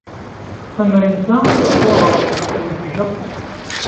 Tamrint-a tettwaɣref-d deg Japun.